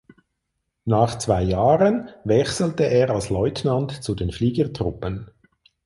Nach zwei Jahren wechselte er als Leutnant zu den Fliegertruppen.